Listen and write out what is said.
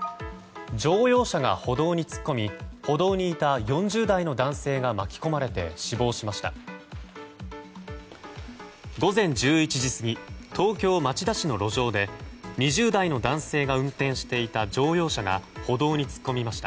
乗用車が歩道に突っ込み歩道にいた４０代の男性が巻き込まれて死亡しました。